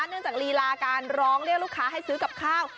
เนื่องจากลีลาการร้องเรียกลูกค้าให้ซื้อกับข้าว